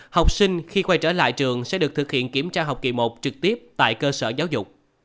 học sinh khi quay trở lại trường sẽ được thực hiện kiểm tra học kỳ một trực tiếp tại cơ sở giáo dục